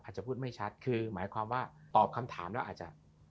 อาจจะพูดไม่ชัดคือหมายความว่าตอบคำถามแล้วอาจจะ